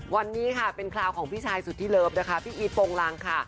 วันนี้ค่ะเป็นคราวของพี่ชายสุดที่เลิฟนะคะพี่อีทโปรงรังค่ะ